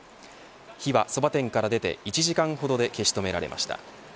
火はそば店から出て１時間ほどで消し止められました。